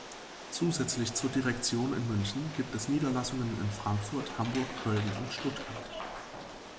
Zusätzlich zur Direktion in München gibt es Niederlassungen in Frankfurt, Hamburg, Köln und Stuttgart.